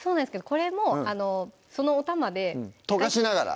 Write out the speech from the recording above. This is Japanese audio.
これもそのおたまで溶かしながら？